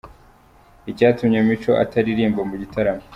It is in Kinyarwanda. Icyatumye Mico ataririmba mu gitaramo